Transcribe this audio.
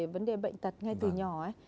vấn đề bệnh tật ngay từ nhỏ ấy